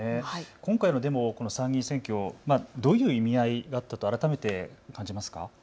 今回の参議院選挙、どういう意味合いだったと改めて感じますか。